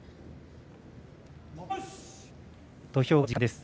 土俵が時間です。